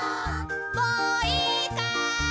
もういいかい。